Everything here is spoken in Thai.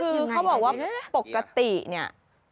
คือเขาบอกว่าปกติเนี่ย